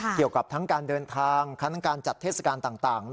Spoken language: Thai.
เกี่ยวกับทั้งการเดินทางครั้งการจัดเทศกาลต่าง